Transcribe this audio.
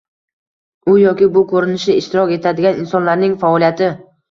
u yoki bu ko‘rinishda ishtirok etadigan insonlarning faoliyati